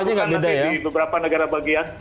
kita akan diberikan di beberapa negara bagian